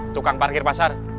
tukang parkir pasar